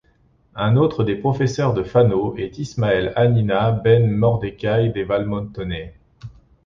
Un autre des professeurs de Fano est Ismael Ḥanina ben Mordecai de Valmontone.